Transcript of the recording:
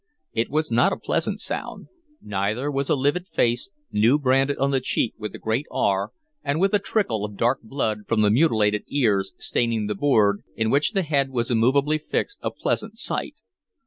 It was not a pleasant sound; neither was a livid face, new branded on the cheek with a great R, and with a trickle of dark blood from the mutilated ears staining the board in which the head was immovably fixed, a pleasant sight.